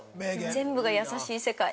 全部が優しい世界。